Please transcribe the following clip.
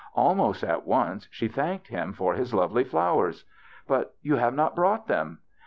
Almost at once she thanked him for his lovely flowers. " But you have not brought them."